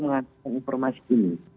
menghasilkan informasi ini